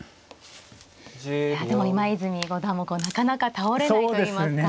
いやでも今泉五段もなかなか倒れないといいますか。